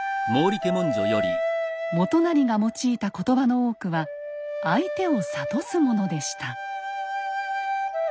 元就が用いた言葉の多くは相手を諭すものでした。